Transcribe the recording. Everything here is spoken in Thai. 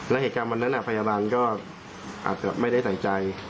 และเหตุการณ์วันนั้นพยาบาลก็อาจจะไม่ได้ใส่ใจ